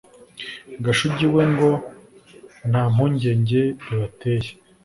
Gashugi we ngo nta mpungenge bibateye